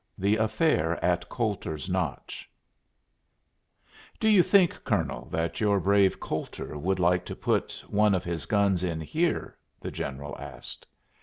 THE AFFAIR AT COULTER'S NOTCH "Do you think, Colonel, that your brave Coulter would like to put one of his guns in here?" the general asked.